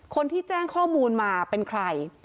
คนที่แจ้งข้อมูลมาเป็นใคร